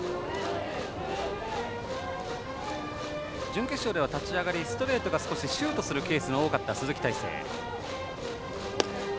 準決勝では立ち上がり、ストレートが少しシュートするケースが多かった鈴木泰成。